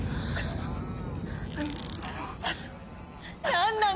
・何なの？